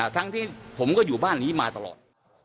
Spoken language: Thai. ทั้งที่ผมก็อยู่บ้านนี้มาตลอด